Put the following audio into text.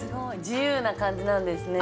自由な感じなんですね。